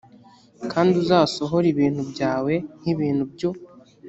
kandi uzasohore ibintu byawe nk ibintu byo